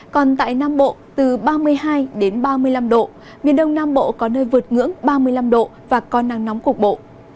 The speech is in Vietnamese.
còn tại nam bộ từ ba mươi hai ba mươi năm độ miền đông nam bộ có nơi vượt ngưỡng ba mươi năm độ và có nắng nóng cục bộ